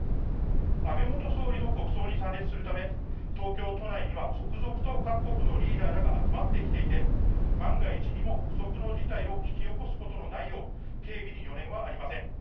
安倍元総理の国葬に参列するため東京都内には続々と各国のリーダーらが集まってきていて万が一にも不測の事態を引き起こすことのないよう警備に余念はありません。